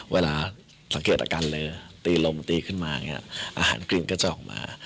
เวลาสังเกตอาการเรือตีลมตีขึ้นมาอาหารกลิ่นก็จะออกมา